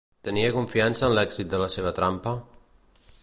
Tenia confiança en l'èxit de la seva trampa?